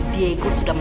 dago sudah mati